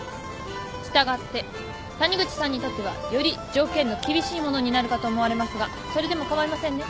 従って谷口さんにとってはより条件の厳しいものになるかと思われますがそれでも構いませんね。